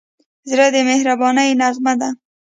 زړه د مهربانۍ نغمه ده.